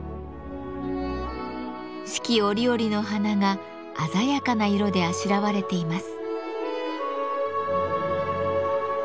四季折々の花が鮮やかな色であしらわれています。